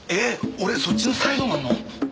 俺そっちのサイドなの？